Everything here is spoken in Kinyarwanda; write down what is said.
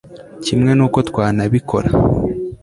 kimwe n' uko twanabikora